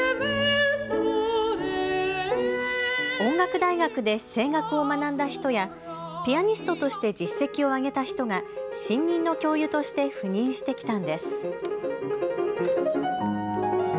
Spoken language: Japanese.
音楽大学で声楽を学んだ人やピアニストとして実績を挙げた人が新任の教諭として赴任してきたんです。